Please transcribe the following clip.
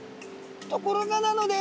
ところがなのです！